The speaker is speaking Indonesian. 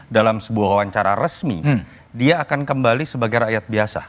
dalam sebuah wawancara resmi dia akan kembali sebagai rakyat biasa